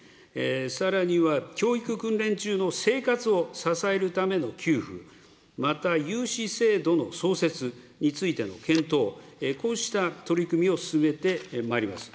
さらには教育訓練中の生活を支えるための給付、また、融資制度の創設についての検討、こうした取り組みを進めてまいります。